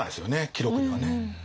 記録にはね。